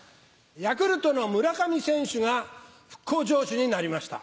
ヤクルトの村上選手が復興城主になりました。